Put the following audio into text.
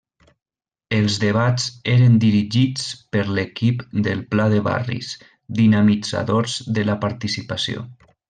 Els debats eren dirigits per l'equip del Pla de Barris, dinamitzadors de la participació.